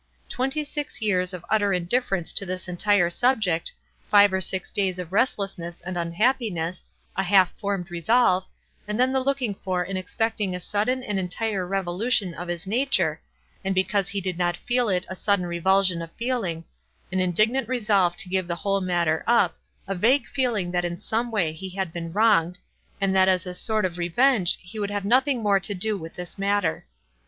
Twenty six years of utter in difference to this entire subject, five or six days of restlessness and unhappiness, a half formed resolve, and then the looking for and expecting i sudden and entire revolution of his nature, and because he did not feel it a sudden revul sion of feeling, an indignant resolve to give the whole matter up, a vague feeling that in some way he had been wronged, and that as a sort of revenge he would have nothing more to do wiio WISE AND OTHERWISE. 243 this matter.